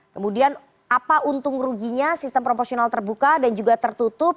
kemudian apa untung ruginya sistem proporsional terbuka dan juga tertutup